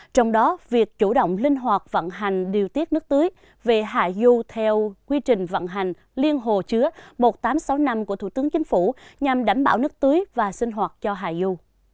trong đó việc chủ động linh hoạt vận hành điều tiết nước tưới về hà du theo quy trình vận hành liên hồ chứa một nghìn tám trăm sáu mươi năm của thủ tướng chính phủ nhằm đảm bảo nước tưới và sinh hoạt cho hà du